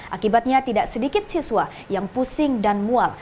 akibatnya tidak sedikit siswa yang pusing dan mual